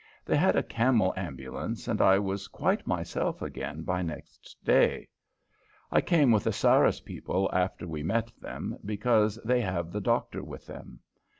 They had a camel ambulance, and I was quite myself again by next day. I came with the Sarras people after we met them, because they have the doctor with them.